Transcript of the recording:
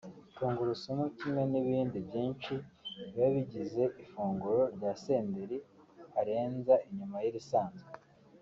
tungurusumu kimwe n'ibindi byinshi biba bigize ifunguro rya Senderi arenza inyuma y'irisanzwe